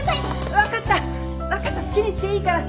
分かった好きにしていいから。